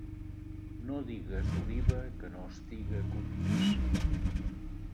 No digues oliva que no estiga collida-.